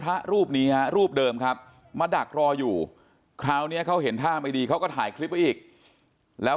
พระรูปนี้ฮะรูปเดิมครับมาดักรออยู่คราวนี้เขาเห็นท่าไม่ดีเขาก็ถ่ายคลิปไว้อีกแล้ว